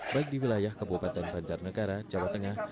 baik di wilayah kabupaten banjarnegara jawa tengah